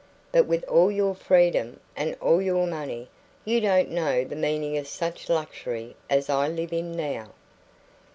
but with all your freedom, and all your money, you don't know the meaning of such luxury as I live in now."